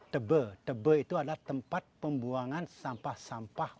tebe tebel itu adalah tempat pembuangan sampah sampah